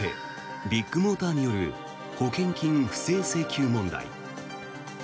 中古車販売大手ビッグモーターによる保険金不正請求問題。